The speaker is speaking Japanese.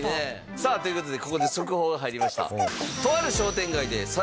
さあという事でここで速報が入りました。